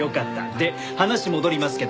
で話戻りますけど。